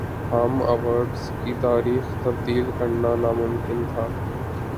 ہم ایوارڈز کی تاریخ تبدیل کرنا ناممکن تھا